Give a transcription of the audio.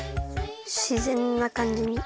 しぜんなかんじに。